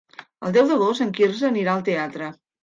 El deu d'agost en Quirze anirà al teatre.